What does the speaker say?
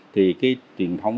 thì cái truyền thống